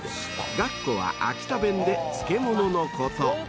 ［がっこは秋田弁で漬物のこと］